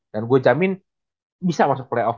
dan gue jamin bisa masuk playoff